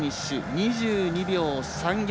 ２２秒３４。